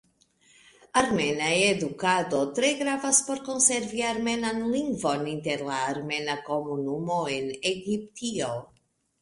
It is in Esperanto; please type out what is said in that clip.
Armena edukado tre gravas por konservi armenan lingvon inter la armena komunumo en Egiptio.